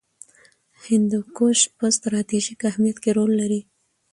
هندوکش په ستراتیژیک اهمیت کې رول لري.